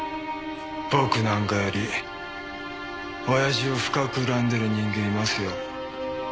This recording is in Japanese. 僕なんかより親父を深く恨んでる人間いますよ。